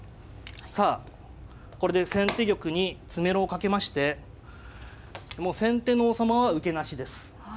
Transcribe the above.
さあこれで先手玉に詰めろをかけましてもう先手の王様は受けなしです。